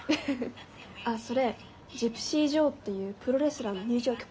あっそれジプシー・ジョーっていうプロレスラーの入場曲。